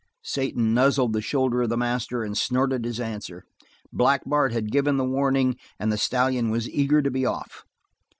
Satan nuzzled the shoulder of the master and snorted his answer; Black Bart had given the warning, and the stallion was eager to be off.